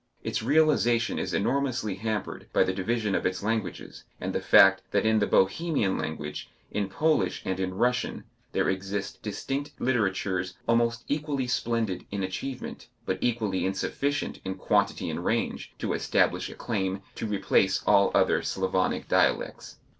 Its realization is enormously hampered by the division of its languages, and the fact that in the Bohemian language, in Polish and in Russian, there exist distinct literatures, almost equally splendid in achievement, but equally insufficient in quantity and range to establish a claim to replace all other Slavonic dialects.